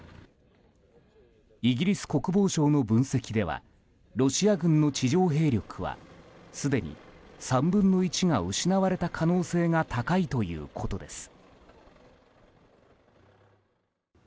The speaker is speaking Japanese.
イギリス国防省の分析ではロシア軍の地上兵力はすでに３分の１が失われた可能性が高いということです。